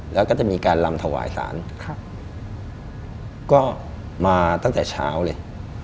แล้วก็จะมีการลำถวายสารก็มาตั้งแต่เช้าเลย